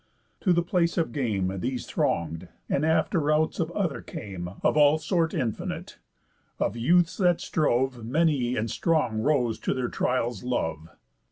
To the place of game These throng'd; and after routs of other came, Of all sort, infinite. Of youths that strove, Many and strong rose to their trial's love.